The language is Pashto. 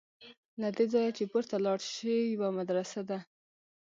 له دې ځایه چې پورته لاړ شې یوه مدرسه ده.